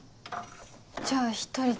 じゃあ１人で。